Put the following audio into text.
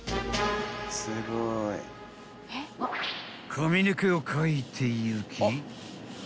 ［髪の毛を描いていき］